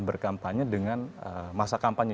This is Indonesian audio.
berkampanye dengan masa kampanye